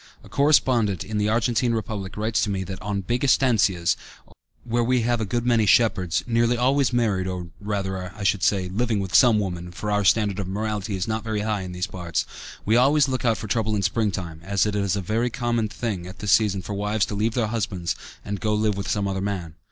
A correspondent in the Argentine Republic writes to me that "on big estancias, where we have a good many shepherds, nearly always married, or, rather, I should say, living with some woman (for our standard of morality is not very high in these parts), we always look out for trouble in springtime, as it is a very common thing at this season for wives to leave their husbands and go and live with some other man."